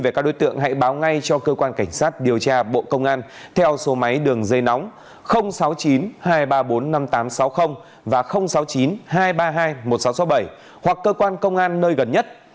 về các đối tượng hãy báo ngay cho cơ quan cảnh sát điều tra bộ công an theo số máy đường dây nóng sáu mươi chín hai trăm ba mươi bốn năm nghìn tám trăm sáu mươi và sáu mươi chín hai trăm ba mươi hai một nghìn sáu trăm sáu mươi bảy hoặc cơ quan công an nơi gần nhất